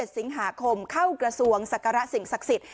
๑สิงหาคมเข้ากระทรวงศักระสิ่งศักดิ์สิทธิ